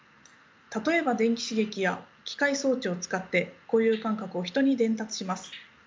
例えば電気刺激や機械装置を使って固有感覚を人に伝達します。